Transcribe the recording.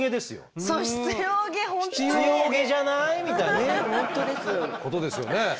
みたいなことですよね。